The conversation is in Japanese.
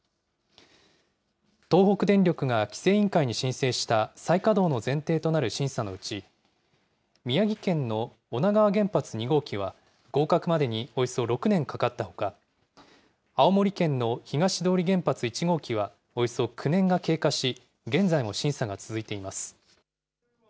東北電力が規制委員会に申請した、再稼働の前提となる審査のうち、宮城県の女川原発２号機は、合格までにおよそ６年かかったほか、青森県の東通原発１号機はおよそ９年が経過し、現在も審査が続いています。